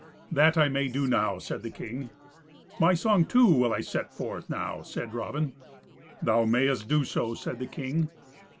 "That I may do now," said the king. "My song too will I set forth now," says Raven. "Thou mayst do so," said the king.